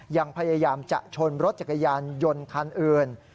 ยังพยายามจะชนรถจักรยานยนต์คันอื่น